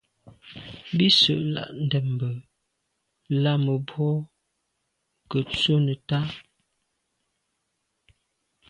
Bì sə̂’ lá’ ndɛ̂mbə̄bɑ̌k lá mə̀bró ŋgə́ tswə́ nə̀tá.